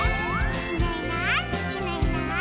「いないいないいないいない」